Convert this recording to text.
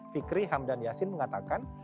fikri hamdan yassin mengatakan